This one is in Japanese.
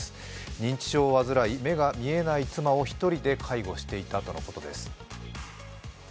認知症を患い、目が見えない妻を１人で介護していたとのことです。